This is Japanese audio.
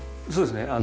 そうですね。